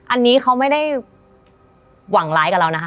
อันนี้เขาไม่ได้หวังร้ายกับเรานะคะ